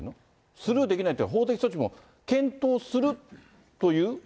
スルーできないっていうのは、法的措置も検討するという？